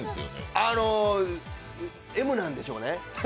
あの、Ｍなんでしょうね。